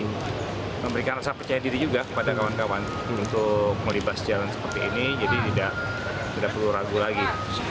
untuk memberikan rasa percaya diri juga kepada kawan kawan untuk melibas jalan seperti ini jadi tidak perlu ragu lagi